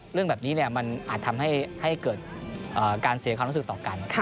เรื่องแบบนี้อาจทำให้เกิดเกิดลูกภาษาเสียความรู้สึกต่อกัน